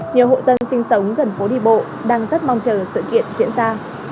nhiều hộ dân sinh sống gần phố đi bộ đang rất mong chờ sự kiện diễn ra